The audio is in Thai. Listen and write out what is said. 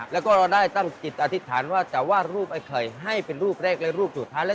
แล้วก็เราได้ตั้งจิตอธิษฐานว่าจะวาดรูปไอ้ไข่ให้เป็นรูปแรกและรูปสุดท้าย